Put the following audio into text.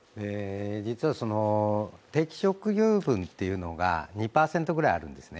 実は定期昇給分というのが２％ぐらいあるんですね。